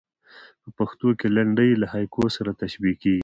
په پښتو کښي لنډۍ له هایکو سره تشبیه کېږي.